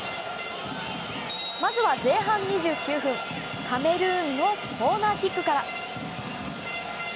まずは前半２９分、カメルーンのコーナーキックから。